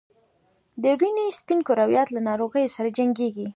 د وینې سپین کرویات له ناروغیو سره جنګیږي